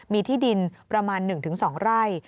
มีที่ดินประมาณ๑๒ไร่